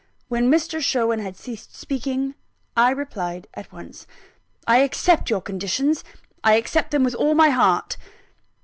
When Mr. Sherwin had ceased speaking, I replied at once: "I accept your conditions I accept them with all my heart."